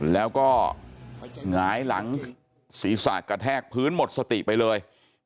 แล้วก็หงายหลังศีรษะกระแทกพื้นหมดสติไปเลย